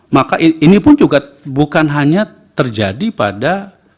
maka ini pun juga bukan hanya terjadi pada